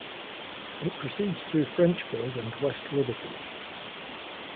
It proceeds through Frenchburg and West Liberty.